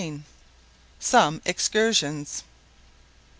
SOME EXCURSIONS.